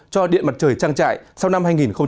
cho điện mặt trời trang trại sau năm hai nghìn hai mươi